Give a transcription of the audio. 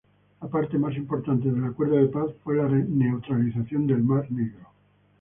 La parte más importante del acuerdo de paz fue la neutralización del mar Negro.